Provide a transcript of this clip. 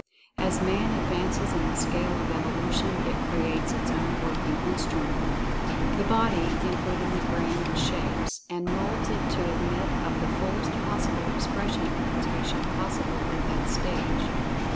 As Mind advances in the scale of evolution it creates its own working instrument—the body (including the brain) and shapes, and moulds it to admit of the fullest possible expression of Men[Pg 33]tation possible at that stage.